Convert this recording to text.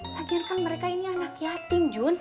lagian kan mereka ini anak yatim jun